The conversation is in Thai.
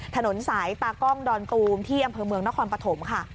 ถนนสายตากล้องดอนตูมที่อำเภอเมืองนครปฐมค่ะ